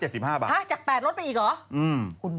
จาก๘ลดไปอีกเหรอ